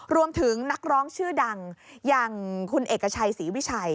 รวมถึงนักร้องชื่อดังอย่างคุณเอกชัยศรีวิชัย